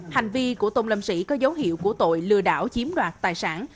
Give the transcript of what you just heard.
hành vi của tôn lâm sĩ có dấu hiệu của tội lừa đảo chiếm đoạt tài sản